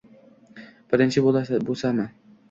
Birinchi bo’sami?